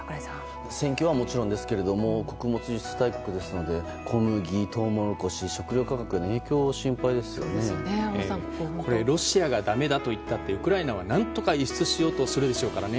戦況はもちろんですけれども穀物輸出大国ですので小麦やトウモロコシはロシアがだめだと言ったってウクライナは何とか輸出しようとするでしょうからね。